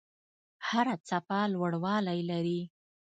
هره څپه لوړوالی لري.